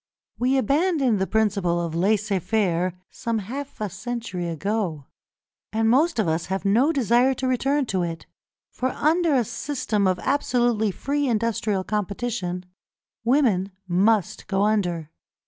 We abandoned the principle of laissez faire some half a century ago, and most of us have no desire to return to it, for under a system of absolutely free industrial competition, women must go under.